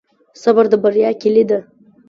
صبر د بریا کلي ده.